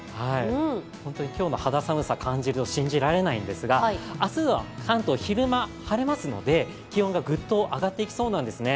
本当に今日の肌寒さを感じると信じられないのですが明日は関東、昼間晴れますので、気温がぐっと上がっていきそうなんですね。